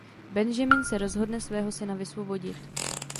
Benjamin se rozhodne svého syna vysvobodit.